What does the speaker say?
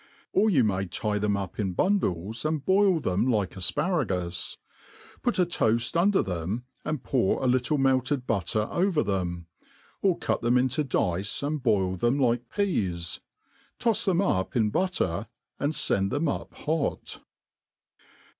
Or you may tie them up in bundles, and boil them like afparagus \ put a toaft under them, and pour a little melted butter over them ; or cut them into dice, and boil them like peas : tofs them up in butter^ and fend them up hot.